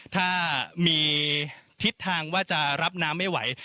ถ้ามีทิศทางว่าจะรับน้ำไม่ไหว